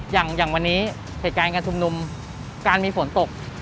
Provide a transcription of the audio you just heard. อย่างวันนี้เหตุการณ์การชุมนุมการมีฝนตก